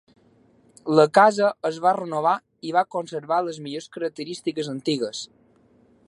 La casa es va renovar i va conservar les millors característiques antigues.